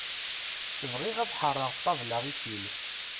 Bɣiɣ ad ḥerreɣ ṭabla i sin.